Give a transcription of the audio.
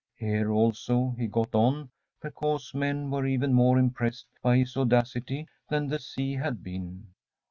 Here also he got on, because men were even more impressed by his audacity than the sea had been.